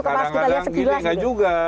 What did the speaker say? kadang kadang gini enggak juga